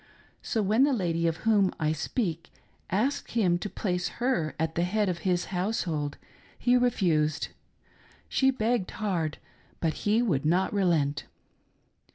So when the lady of whom I speak asked him to place her at the head of his household, be refused : she begged hard, but he would not relent.